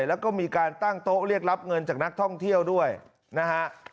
แล้วก็มีการตั้งโต๊ะเรียกรับเงินจากนักท่องเที่ยวด้วยนะฮะ